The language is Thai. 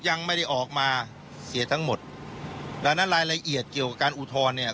ยังไม่ได้ออกมาเสียทั้งหมดดังนั้นรายละเอียดเกี่ยวกับการอุทธรณ์เนี่ย